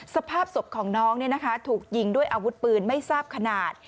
สภาพศพของน้องถูกยิงด้วยอาวุธปืนไม่ทราบขนาด